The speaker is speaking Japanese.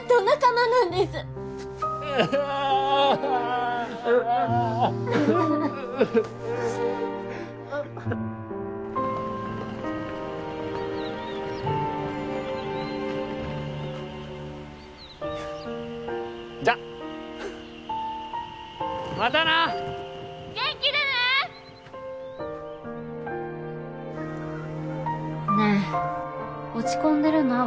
ねえ落ち込んでるのは分かる。